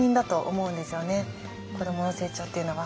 子どもの成長っていうのは。